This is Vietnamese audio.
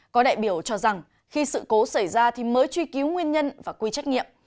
có đại biểu cho rằng khi sự cố xảy ra thì mới truy cứu nguyên nhân và quy trách nhiệm